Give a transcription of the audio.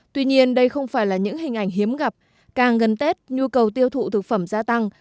tuy nhiên đây không phải là những hình ảnh hiếm gặp càng gần tết nhu cầu tiêu thụ thực phẩm gia tăng